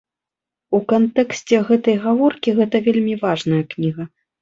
У кантэксце гэтай гаворкі гэта вельмі важная кніга.